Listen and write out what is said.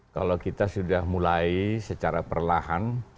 kalau kita sudah mulai secara perlahan